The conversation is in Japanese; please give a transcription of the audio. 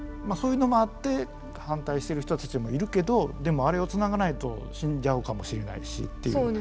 まあそういうのもあって反対してる人たちもいるけどでもあれを繋がないと死んじゃうかもしれないしっていう。